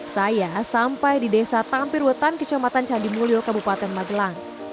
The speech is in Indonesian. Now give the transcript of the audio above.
saya sampai di desa tampirwetan kecamatan candimulyo kabupaten magelang